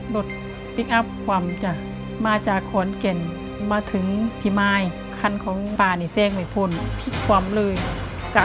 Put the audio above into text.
โดดพลิกอัพมาจากฮวร์นเก็จมาถึงพี่มายขั้นของป่านสี่สี่ขวมมา